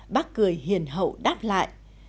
bác cười hiền hậu đáp lại